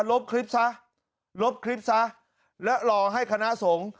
ลบคริปทราลบคริปทราและรอให้คณะสงฆ์